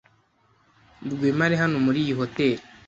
Rwema ari hano muri iyi hoteri.